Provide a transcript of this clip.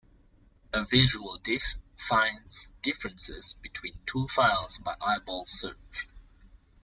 A visual diff finds differences between two files by eyeball search.